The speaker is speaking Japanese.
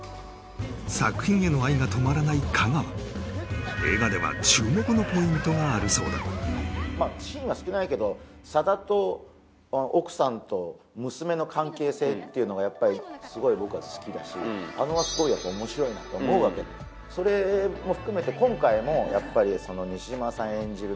作品への愛が止まらない香川映画では注目のポイントがあるそうだシーンは少ないけど佐田と奥さんと娘の関係性っていうのがやっぱりすごい僕は好きだしあれはすごい面白いと思うわけそれも含めて今回もやっぱり西島さん演じる